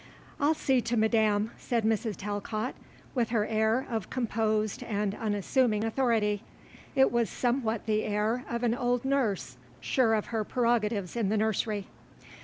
"I'll see to Madame," said Mrs. Talcott with her air of composed and unassuming authority. It was somewhat the air of an old nurse, sure of her prerogatives in the nursery.